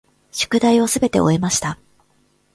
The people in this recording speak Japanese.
宿題をすべて終えました。